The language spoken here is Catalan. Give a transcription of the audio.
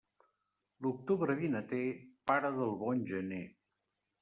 L'octubre vinater, pare del bon gener.